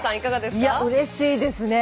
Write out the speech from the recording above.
うれしいですね。